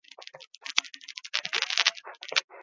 Hiri bakarra aurkeztu du federazio bakoitzak.